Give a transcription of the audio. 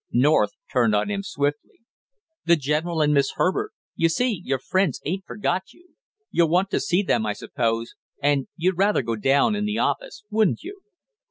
North turned on him swiftly. "The general and Miss Herbert, you see your friends ain't forgot you! You'll want to see them, I suppose, and you'd rather go down in the office, wouldn't you?"